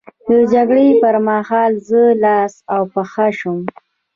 د جګړې پر مهال زه لاس او پښه شم.